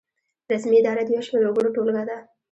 رسمي اداره د یو شمیر وګړو ټولګه ده.